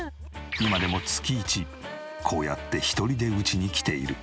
今でも月イチこうやって１人で打ちに来ている。